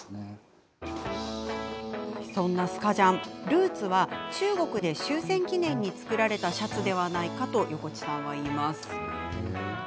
ルーツは中国で終戦記念に作られたシャツではないかと横地さんは言います。